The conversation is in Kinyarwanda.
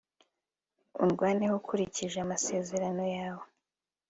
undwaneho ukurikije amasezerano yawe